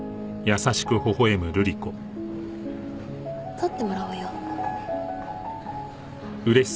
撮ってもらおうよ。